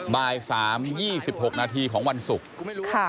บ่ายสามยี่สิบหกนาทีของวันศุกร์ค่ะ